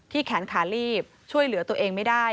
แขนขาลีบช่วยเหลือตัวเองไม่ได้